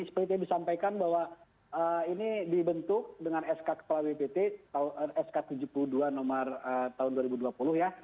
seperti yang disampaikan bahwa ini dibentuk dengan sk kepala bpt sk tujuh puluh dua nomor tahun dua ribu dua puluh ya